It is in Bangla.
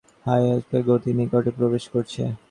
হাই-হাইপারসনিক গতির নিকটে প্রবেশ করছে।